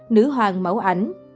nữ hoàng mẫu ảnh